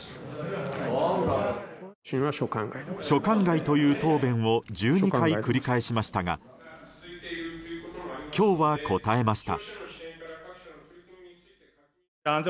所管外という答弁を１２回繰り返しましたが今日は答えました。